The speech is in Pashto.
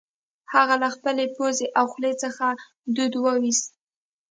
هغه له خپلې پوزې او خولې څخه دود وایوست